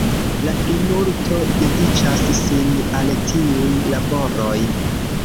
La plimulto dediĉas sin al tiuj laboroj.